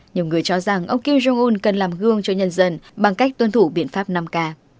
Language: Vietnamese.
nhiều người cho rằng ông kim jong un cần làm gương cho nhân dân bằng cách tuân thủ biện pháp năm k